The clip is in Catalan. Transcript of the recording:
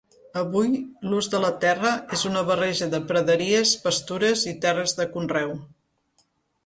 Avui, l'ús de la terra és una barreja de praderies, pastures i terres de conreu.